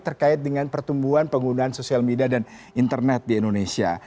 terkait dengan pertumbuhan penggunaan sosial media dan internet di indonesia